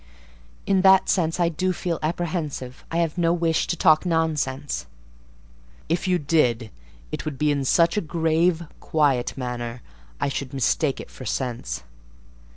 "In that sense I do feel apprehensive—I have no wish to talk nonsense." "If you did, it would be in such a grave, quiet manner, I should mistake it for sense.